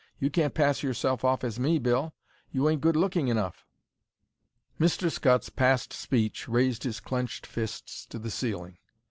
"You can't pass yourself off as me, Bill; you ain't good looking enough." Mr. Scutts, past speech, raised his clenched fists to the ceiling.